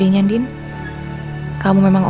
pengen nih main baju bisa jelasin apa